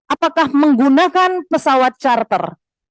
apakah menggunakan pesawat charter